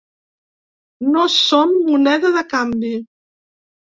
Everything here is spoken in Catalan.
No som moneda de canvi.